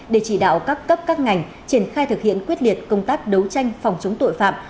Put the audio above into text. để chỉ đạo các cấp các ngành triển khai thực hiện quyết liệt công tác đấu tranh phòng chống tội phạm